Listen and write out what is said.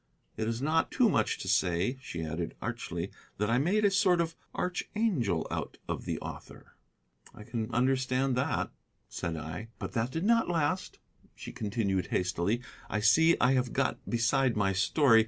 It is not too much to say," she added archly, "that I made a sort of archangel out of the author." "I can understand that," said I. "But that did not last," she continued hastily. "I see I have got beside my story.